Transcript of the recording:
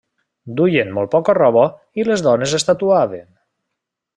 Duien molt poca roba i les dones es tatuaven.